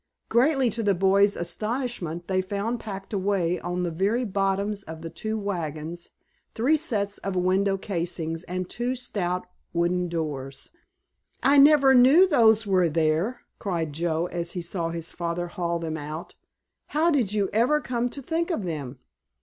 Greatly to the boys' astonishment they found packed away on the very bottoms of the two wagons three sets of window casings and two stout wooden doors. "I never knew those were there!" cried Joe, as he saw his father haul them out. "How did you ever come to think of them?"